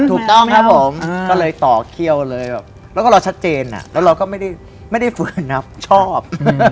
ถูกต้องครับผมก็เลยต่อเขี้ยวเลยแบบแล้วก็เราชัดเจนแล้วเราก็ไม่ได้เหมือนนับชอบ